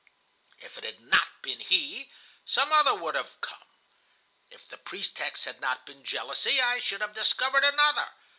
If it had not been he, some other would have come. If the pretext had not been jealousy, I should have discovered another.